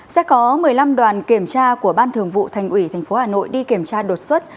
sẽ có một mươi năm đoàn kiểm tra của ban thường vụ thành ủy tp hà nội đi kiểm tra đột xuất